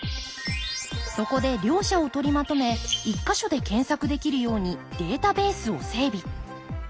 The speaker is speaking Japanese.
そこで両者を取りまとめ１か所で検索できるようにデータベースを整備。